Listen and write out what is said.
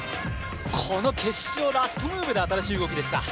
この決勝、ラストムーブで新しい動きですか。